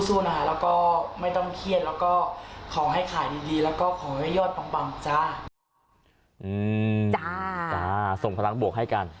ส่งจ้าส่งพลังบวกให้กัน